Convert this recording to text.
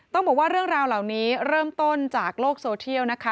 ต้องบอกว่าเรื่องราวเหล่านี้เริ่มต้นจากโลกโซเทียลนะคะ